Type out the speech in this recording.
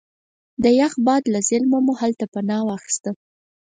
د یخ او باد له ظلمه مو هلته پناه واخسته.